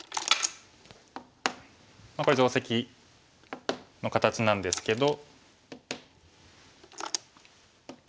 これ定石の形なんですけど。